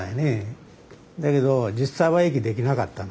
だけど実際は駅出来なかったの。